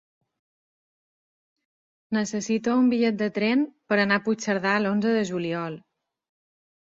Necessito un bitllet de tren per anar a Puigcerdà l'onze de juliol.